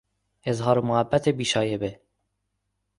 اظهار محبت بیشایبه